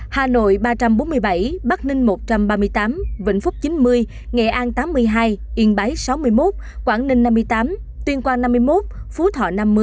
hà nội ba trăm bốn mươi bảy bắc ninh một trăm ba mươi tám vĩnh phúc chín mươi nghệ an tám mươi hai yên bái sáu mươi một quảng ninh năm mươi tám tuyên quang năm mươi một phú thọ năm mươi